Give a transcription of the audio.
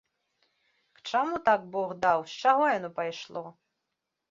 К чаму так бог даў, з чаго яно пайшло?